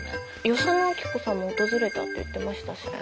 与謝野晶子さんも訪れたって言ってましたしね。